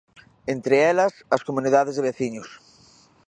Entre elas, as comunidades de veciños.